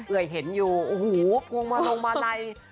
เอื่อยเห็นอยู่โพงมาลงมาไร